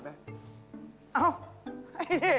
เอ้าไอ้เด็ก